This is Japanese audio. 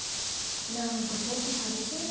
なんかちょっと寂しいね。